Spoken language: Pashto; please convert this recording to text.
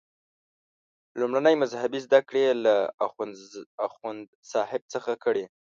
لومړنۍ مذهبي زده کړې یې له اخوندصاحب څخه کړي.